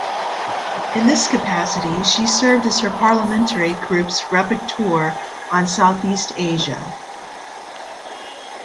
In this capacity, she served as her parliamentary group's rapporteur on Southeast Asia.